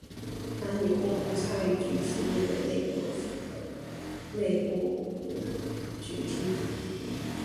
男女共同参与局是日本内阁府的内部部局之一。